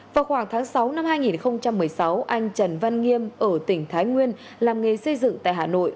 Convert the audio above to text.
vào khoảng tháng sáu năm hai nghìn một mươi sáu anh trần văn nghiêm ở tỉnh thái nguyên làm nghề xây dựng tại hà nội